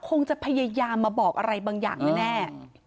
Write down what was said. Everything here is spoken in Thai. คงจะพยายามมาบอกอะไรบางอย่างแน่